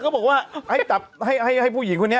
ก็บอกว่าให้ผู้หญิงเขานี้